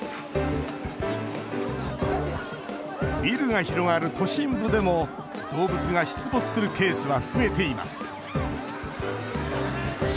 ビルが広がる都心部でも動物が出没するケースは増えています。